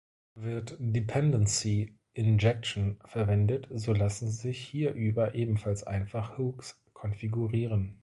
Wird Dependency Injection verwendet, so lassen sich hierüber ebenfalls einfach Hooks konfigurieren.